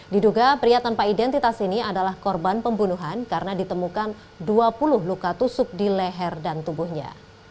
diduga pria tanpa identitas ini adalah korban pembunuhan karena ditemukan dua puluh luka tusuk di leher dan tubuhnya